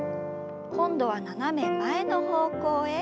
今度は斜め前の方向へ。